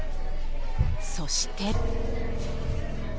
［そして］